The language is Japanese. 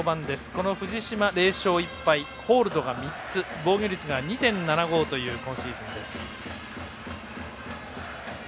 この藤嶋０勝１敗ホールドが３つ防御率が２．７５という今シーズンです。